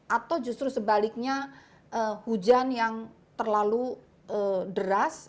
atau justru sebaliknya hujan yang terlalu deras